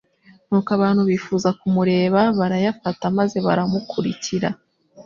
nuko abantu bifuza kumureba barayafata maze baramukurikira.